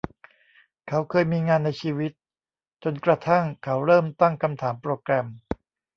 เขาเคยมีงานในชีวิต จนกระทั่งเขาเริ่มตั้งคำถามโปรแกรม